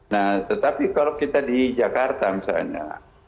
nah tetapi kalau kita di jakarta misalnya